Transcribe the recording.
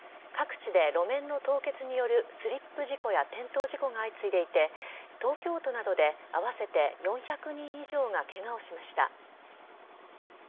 各地で路面の凍結によるスリップ事故や転倒事故が相次いでいて東京都などで合わせて４００人以上がケガをしました。